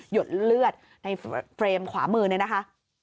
ดเลือดในเฟรมขวามือเนี่ยนะคะ